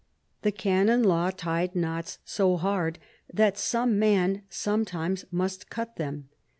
The Canon Law tied knots so hard that some man sometimes must cut them.